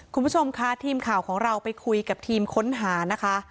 คุณผู้ชมค่ะทีมข่าวของเราไปคุยกับทีมค้นหานะคะ